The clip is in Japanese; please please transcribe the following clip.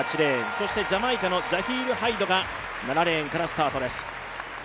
そしてジャマイカのジャヒール・ハイドが７レーンからスタートです。